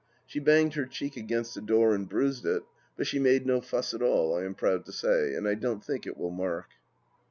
She banged her cheek against a door and bruised it, but she made no fuss at all, I am proud to say, and I don't think it will mark.